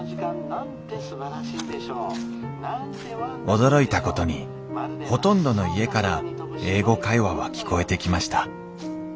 驚いたことにほとんどの家から「英語会話」は聴こえてきました。